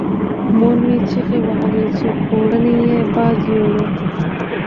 مور مې چیغې وهلې چې پوړونی یې باد یووړ.